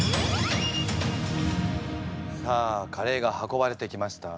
さあカレーが運ばれてきました。